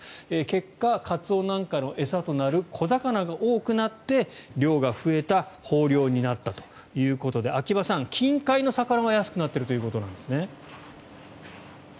結果、カツオなんかの餌となる小魚が多くなって量が増えた豊漁になったということで秋葉さん、近海の魚は安くなっているということなんですね。